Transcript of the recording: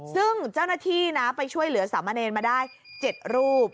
ซึ่งเจ้าหน้าที่นะไปช่วยเหลือสามเณรมาได้๗รูป